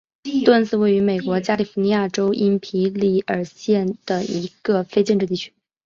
杜恩斯是位于美国加利福尼亚州因皮里尔县的一个非建制地区。